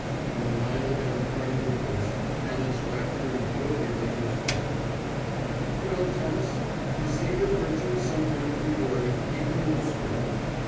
When Lionel had departed with this, Canon Spratte turned jovially to his brother. "Well, Thomas, you see that virtue is sometimes rewarded even in this world.